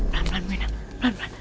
pelan pelan pelan